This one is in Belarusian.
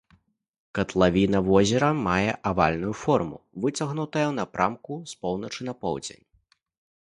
Катлавіна возера мае авальную форму, выцягнутая ў напрамку з поўначы на поўдзень.